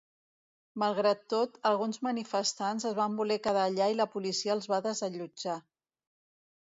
Malgrat tot, alguns manifestants es van voler quedar allà i la policia els va desallotjar.